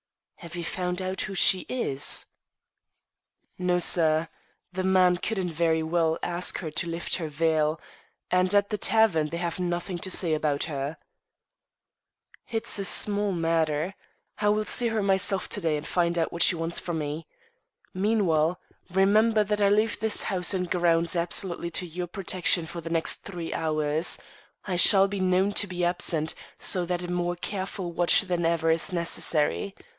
"Have you found out who she is?" "No, sir. The man couldn't very well ask her to lift her veil, and at the tavern they have nothing to say about her." "It's a small matter. I will see her myself to day and find out what she wants of me. Meanwhile, remember that I leave this house and grounds absolutely to your protection for the next three hours. I shall be known to be absent, so that a more careful watch than ever is necessary.